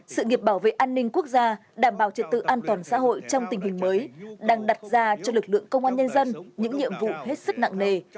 sự nghiệp bảo vệ an ninh quốc gia đảm bảo trật tự an toàn xã hội trong tình hình mới đang đặt ra cho lực lượng công an nhân dân những nhiệm vụ hết sức nặng nề